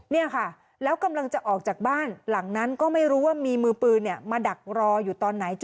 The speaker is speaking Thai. เนี่ยค่ะแล้วกำลังจะออกจากบ้านหลังนั้นก็ไม่รู้ว่ามีมือปืนมาดักรออยู่ตอนไหน